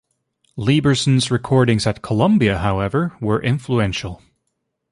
Lieberson's recordings at Columbia, however, were influential.